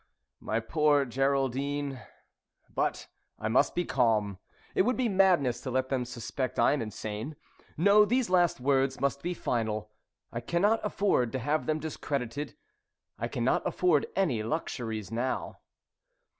My poor Geraldine but I must be calm; it would be madness to let them suspect I am insane. No, these last words must be final. I cannot afford to have them discredited. I cannot afford any luxuries now.